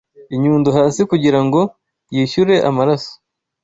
inyundo hasi Kugira ngo yishyure amaraso